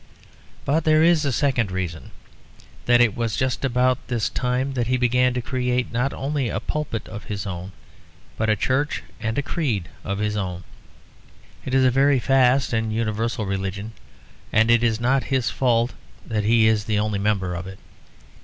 But there is a second reason: that it was just about this time that he began to create not only a pulpit of his own, but a church and creed of his own. It is a very vast and universal religion; and it is not his fault that he is the only member of it.